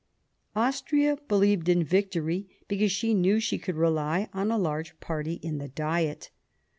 Austria believed in victory because she knew she could rely on a large party in the Diet.